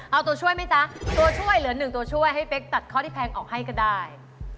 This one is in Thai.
เอาตัวช่วยไหมจ๊ะตัวช่วยเหลือ๑ตัวช่วยให้เป๊กตัดข้อที่แพงออกให้ก็ได้